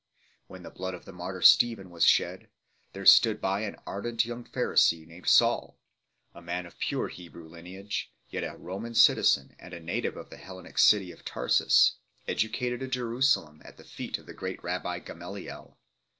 2. When the blood of the martyr Stephen was shed, there stood by an ardent young Pharisee, named Saul 6 , a man of pure Hebrew lineage, yet a Roman citizen and a native of the Hellenic city of Tarsus, educated in Jeru salem at the feet of the great Rabbi Gamaliel.